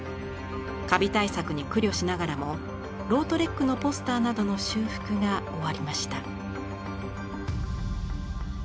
カビ対策に苦慮しながらもロートレックのポスターなどの修復が終わりました。